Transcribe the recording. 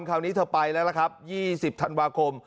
คราวนี้เธอไปแล้วล่ะครับ๒๐ธันวาคม